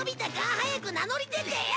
早く名乗り出てよ！